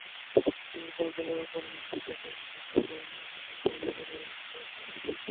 কিন্তু কমিশনের ওপর মহল থেকে জিজ্ঞাসাবাদের অনুমতি দেওয়া হয়নি বলে অভিযোগ রয়েছে।